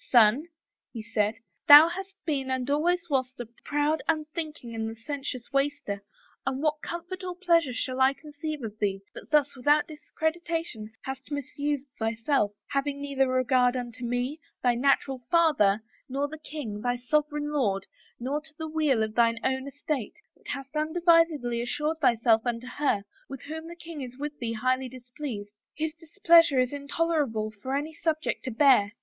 * Son,' he said, * Thou hast been and al ways wast a proud, unthinking and licentious waster, and what comfort or pleasure shall I conceive of thee, that thus without discretion, hast misused thyself, having neither regard unto me, thy natural father, nor the king, thy sovereign lord, nor to the weal of thine own estate, but hast unadvisedly assured thyself unto her, with whom the king is with thee highly displeased, whose displeasure is intolerable for any subject to bear.